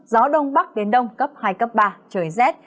gió đông bắc đến đông cấp hai cấp ba trời rét